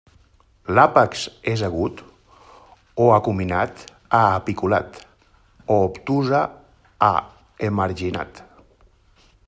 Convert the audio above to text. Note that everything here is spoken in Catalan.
L'àpex és agut o acuminat a apiculat, o obtusa a emarginat.